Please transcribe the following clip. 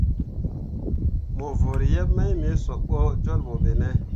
Mo vǝrri yeb mai me sob bo jolbo be ne ?